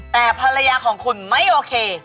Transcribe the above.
แต่ภรรยาของคุณไม่โอเค